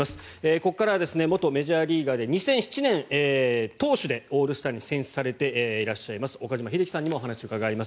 ここからは元メジャーリーガーで２００７年投手でオールスターに選出されていらっしゃいます岡島秀樹さんにもお話を伺います。